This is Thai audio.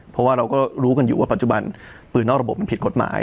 เพราะว่าเราก็รู้กันอยู่ว่าปัจจุบันปืนนอกระบบมันผิดกฎหมาย